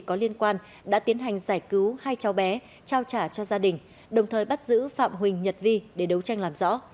có liên quan đã tiến hành giải cứu hai cháu bé trao trả cho gia đình đồng thời bắt giữ phạm huỳnh nhật vi để đấu tranh làm rõ